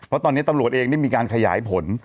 เพราะตอนนี้ตำรวจเองได้มีการขยายผล